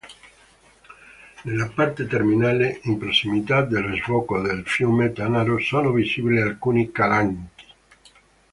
Nella parte terminale, in prossimità dello sbocco nel fiume Tanaro, sono visibili alcuni calanchi.